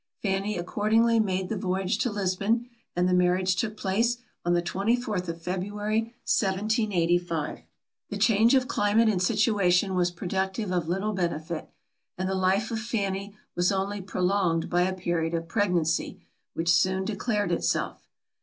Fanny accordingly made the voyage to Lisbon; and the marriage took place on the twenty fourth of February 1785. The change of climate and situation was productive of little benefit; and the life of Fanny was only prolonged by a period of pregnancy, which soon declared itself.